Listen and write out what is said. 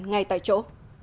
ngay tại chỗ